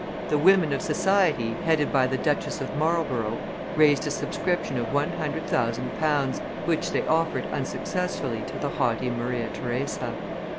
The women of society, headed by the Duchess of Marlborough, raised a subscription of one hundred thousand pounds, which they offered unsuccessfully to the haughty Maria Theresa.